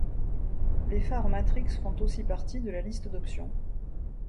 Les phares Matrix font aussi partie de la liste d'option.